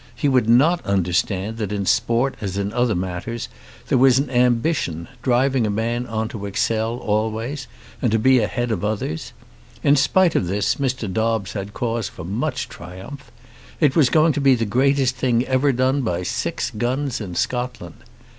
He would not understand that in sport as in other matters there was an ambition, driving a man on to excel always and be ahead of others. In spite of this Mr. Dobbes had cause for much triumph. It was going to be the greatest thing ever done by six guns in Scotland.